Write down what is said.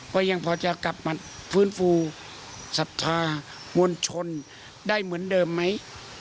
ว่ายังพอจะกลับมาฟื้นฟูศรัทธามวลชนได้เหมือนเดิมไหม